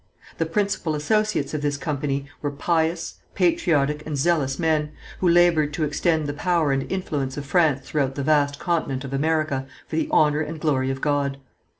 The principal associates of this company were pious, patriotic and zealous men, who laboured to extend the power and influence of France throughout the vast continent of America for the honour and glory of God.